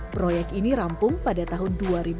proyek ini rampung pada tahun dua ribu dua puluh